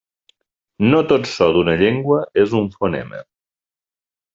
No tot so d'una llengua és un fonema.